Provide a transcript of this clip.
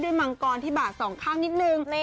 มังกรที่บาดสองข้างนิดนึง